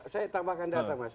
saya tambahkan data mas